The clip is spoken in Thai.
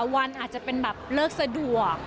วันอาจจะเป็นแบบเลิกสะดวก